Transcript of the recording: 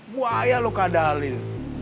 buaya lu kak dalil